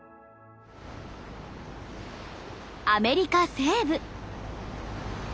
アメリカ西部。